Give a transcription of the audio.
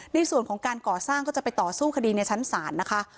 ในส่วนของการก่อสร้างก็จะไปต่อสู้คดีในชั้นศาลนะคะ